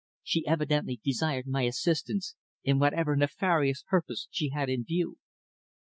She evidently desired my assistance in whatever nefarious purpose she had in view."